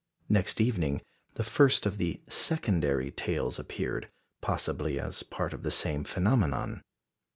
Next evening, the first of the "secondary" tails appeared, possibly as part of the same phenomenon.